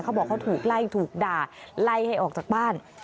เขาบอกเขาถูกไล่ถูกด่าไล่ให้ออกจากบ้าน